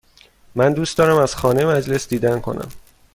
من دوست دارم از خانه مجلس دیدن کنم.